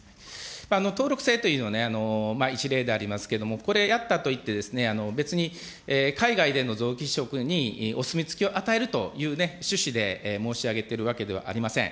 登録制というのは一例でありますけれども、これ、やったといって別に海外での臓器移植にお墨付きを与えるという趣旨で申し上げているわけではありません。